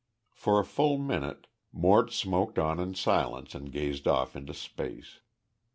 For a full minute Mort smoked on in silence and gazed off into space.